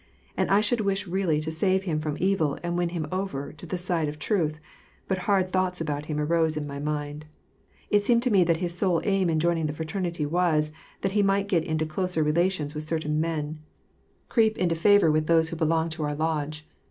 And I should wish really to save him from evil and win him over to the side of truth, but hard thoughts about him arose in my mind. It seemed to lue that his sole aim in joining the Fraternity was, that he might get into closer relations with certain men, creep into favor with thosi* who belong X WAtt AMD PEACE. 186 to onr Lodge.